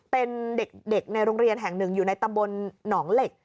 เป็นเด็กในโรงเรียนแห่งหนึ่งอยู่ในตำบลหนองเหล็ก